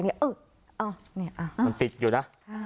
มันติดอยู่นะ